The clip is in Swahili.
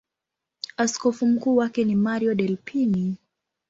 Askofu mkuu wake ni Mario Delpini.